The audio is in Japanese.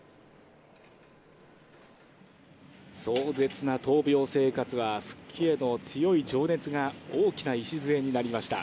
壮絶な闘病生活は、復帰への強い情熱が大きな礎になりました。